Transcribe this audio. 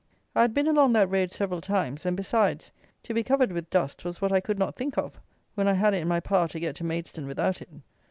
I had been along that road several times; and besides, to be covered with dust was what I could not think of, when I had it in my power to get to Maidstone without it.